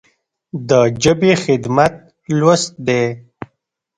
د ژبې خدمت لوست دی.